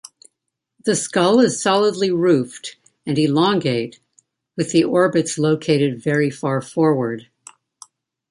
The skull is solidly roofed, and elongate, with the orbits located very far forward.